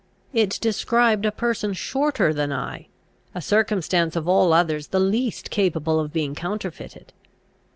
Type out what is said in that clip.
It described a person shorter than I; a circumstance of all others the least capable of being counterfeited.